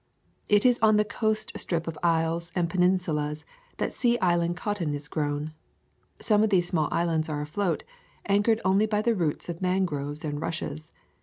It is on the coast strip of isles and peninsulas that sea island cotton is grown. Some of these small islands are afloat, anchored only by the roots of mangroves and rushes.